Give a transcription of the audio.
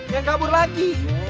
jangan kabur lagi